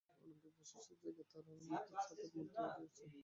কলঙ্কের প্রশস্ত জায়গা তারার মধ্যে নেই, চাঁদের মধ্যেই আছে।